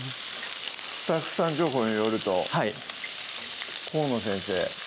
スタッフさん情報によるとはい「河野先生